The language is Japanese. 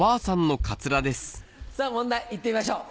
さぁ問題いってみましょう。